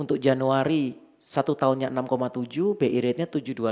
untuk januari satu tahunnya enam tujuh bi rate nya tujuh dua puluh lima